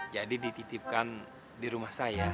jadi dititipkan di rumah saya